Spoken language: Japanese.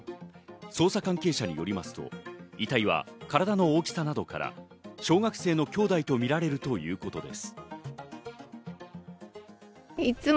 捜査関係者によりますと、遺体は体の大きさなどから小学生の兄弟とみられるということです。